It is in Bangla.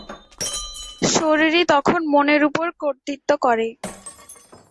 শরীরই তখন মনের উপর কর্তৃত্ব করে।